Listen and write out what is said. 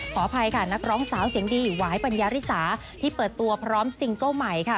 ขออภัยค่ะนักร้องสาวเสียงดีหวายปัญญาริสาที่เปิดตัวพร้อมซิงเกิ้ลใหม่ค่ะ